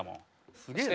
すげえな。